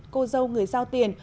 cô dâu người giao tiền